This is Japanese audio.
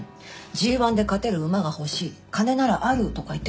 「ＧⅠで勝てる馬が欲しい」「金ならある」とか言ってたみたい。